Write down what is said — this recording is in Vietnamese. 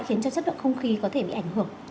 khiến cho chất lượng không khí có thể bị ảnh hưởng